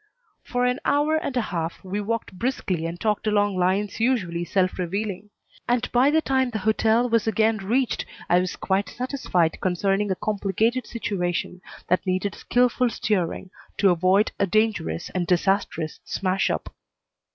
For an hour and a half we walked briskly and talked along lines usually self revealing; and by the time the hotel was again reached I was quite satisfied concerning a complicated situation that needed skilful steering to avoid a dangerous and disastrous smash up.